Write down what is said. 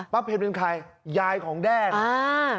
ป้าเพนเป็นใครยายของแด้ง